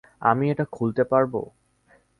আমি এটা খুলতে পারবো?